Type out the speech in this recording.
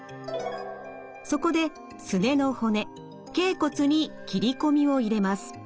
そこですねの骨けい骨に切り込みを入れます。